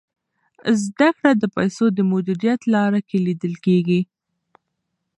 زده کړه د پیسو د مدیریت په لاره کي لیدل کیږي.